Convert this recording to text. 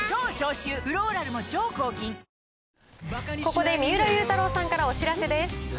ここで三浦祐太朗さんからお知らせです。